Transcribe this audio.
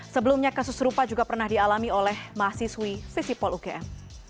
sebelumnya kasus serupa juga pernah dialami oleh mahasiswi visipol ugm